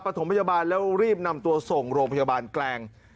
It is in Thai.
ถมพยาบาลแล้วรีบนำตัวส่งโรงพยาบาลแกลง